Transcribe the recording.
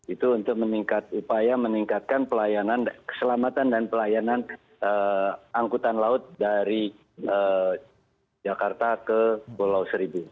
itu untuk meningkat upaya meningkatkan pelayanan keselamatan dan pelayanan angkutan laut dari jakarta ke pulau seribu